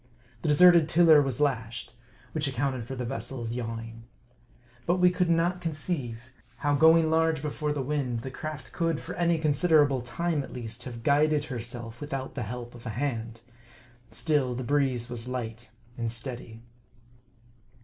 The deserted tiller was lashed ; which accounted for the vessel's yawing. But we could not conceive, how going large before the wind, the craft could, for any con siderable time, at least, have guided herself without the help of a hand. Still, the breeze was light and steady.